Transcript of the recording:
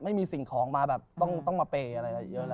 ไม่มีสิ่งของมาแบบต้องมาเปย์อะไรเยอะเลย